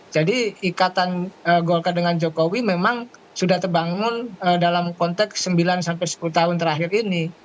jadi ikatan golkar dengan jokowi memang sudah terbangun dalam konteks sembilan sampai sepuluh tahun terakhir ini